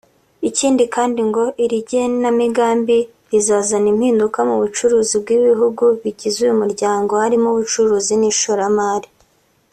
Ikindi kandi ngo iri genamigambi rizazana impinduka mu bucuruzi bw’ibihugu bigize uyu muryango harimo ubucuruzi n’ishoramari